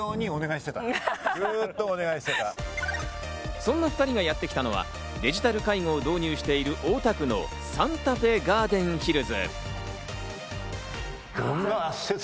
そんな２人がやってきたのはデジタル介護を導入している大田区のサンタフェガーデンヒルズ。